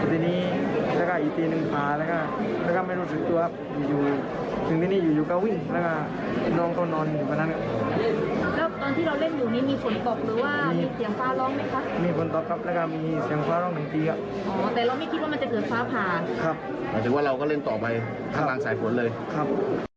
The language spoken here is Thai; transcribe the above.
อ๋อแต่เราไม่คิดว่ามันจะเกิดฟ้าผ่านครับแต่ว่าเราก็เล่นต่อไปทางหลังสายผลเลยครับ